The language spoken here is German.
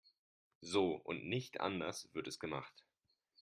So und nicht anders wird es gemacht.